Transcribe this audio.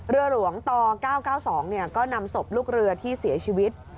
เรือหลวงต๙๙๒ก็นำศพลูกเรือที่เสียชีวิต